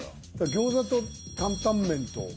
餃子と担々麺と。